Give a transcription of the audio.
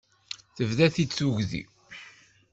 Tebda-t-id tugdi.